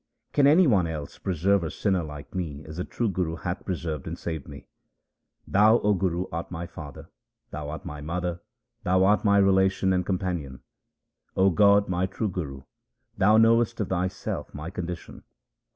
Can any one else preserve a sinner like me as the true Guru hath preserved and saved me ? Thou, O Guru, art my father, thou art my mother, thou art my relation and companion. 0 God, my True Guru, Thou knowest of Thyself my condition.